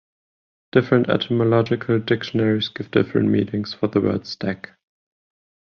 Different etymological dictionaries give different meanings for the word stack.